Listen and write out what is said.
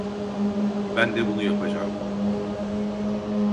Ben de bunu yapacağım.